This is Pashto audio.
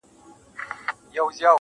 ژوند مي هيڅ نه دى ژوند څه كـړم.